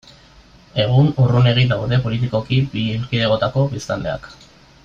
Egun, urrunegi daude politikoki bi erkidegoetako biztanleak.